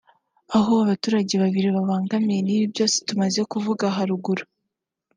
aho abaturage babiri babangamiwe n’ibi byose tumaze kuvuga haruguru